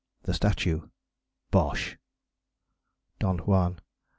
THE STATUE. Bosh! DON JUAN.